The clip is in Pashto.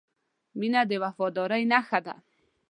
• مینه د وفادارۍ نښه ده.